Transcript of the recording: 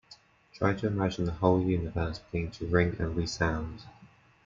Try to imagine the whole universe beginning to ring and resound.